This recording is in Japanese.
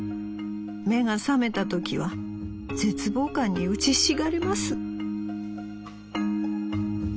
目が覚めた時は絶望感に打ちひしがれます』」。